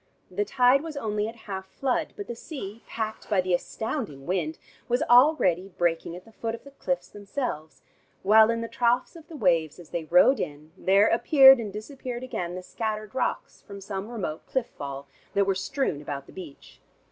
The tide was only at half flood, but the sea, packed by the astounding wind, was already breaking at the foot of the cliffs themselves, while in the troughs of the waves as they rode in, there appeared and disappeared again the scattered rocks from some remote cliff fall, that were strewn about the beach.